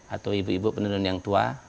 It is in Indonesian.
atau ibu ibu penenun yang tua